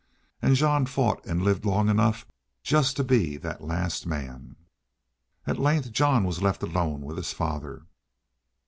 An' Jean fought an' lived long enough just to be that last man." At length Jean was left alone with his father.